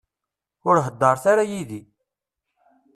Ur heddṛet ara yid-i.